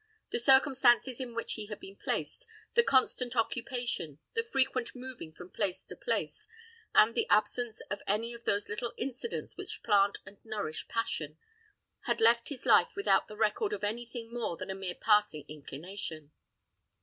The circumstances in which he had been placed, the constant occupation, the frequent moving from place to place, and the absence of any of those little incidents which plant and nourish passion, had left his life without the record of any thing more than a mere passing inclination.